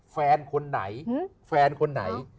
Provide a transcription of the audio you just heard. แฟนคนไหน